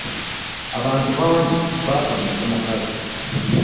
Abantu bangi baafa mu sematalo.